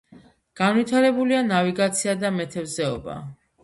განვითარებულია ნავიგაცია და მეთევზეობა.